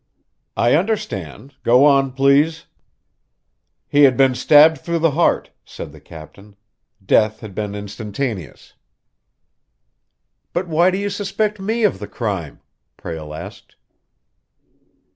"I understand; go on, please." "He had been stabbed through the heart," said the captain. "Death had been instantaneous." "But why suspect me of the crime?" Prale asked.